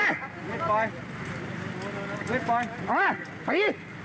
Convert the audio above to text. เอาล่ะปี